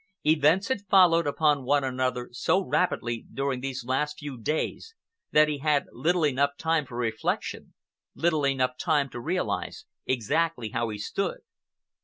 Events had followed upon one another so rapidly during these last few days that he had little enough time for reflection, little time to realize exactly how he stood.